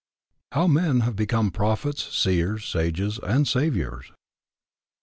HOW MEN HAVE BECOME PROPHETS, SEERS, SAGES, AND SAVIOURS.